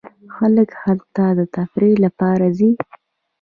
خلک هلته د تفریح لپاره ځي.